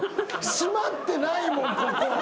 閉まってないもんここ。